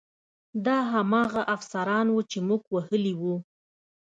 دا هماغه افسران وو چې موږ وهلي وو